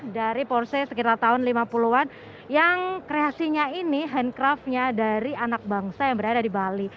dari porse sekitar tahun lima puluh an yang kreasinya ini handcraftnya dari anak bangsa yang berada di bali